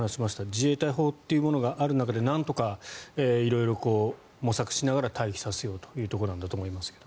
自衛隊法というものがある中でなんとか色々模索しながら退避させようというところなんだと思いますが。